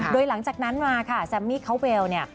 โดยหลังจากนั้นมาค่ะแซมมี่เขาเวลเนี่ย